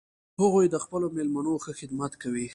هغوی د خپلو میلمنو ښه خدمت کوي